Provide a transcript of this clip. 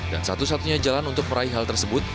dan satu satunya jalan untuk meraih hal tersebut